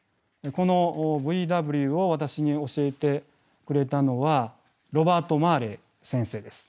このＶＷを私に教えてくれたのはロバート・マーレー先生です。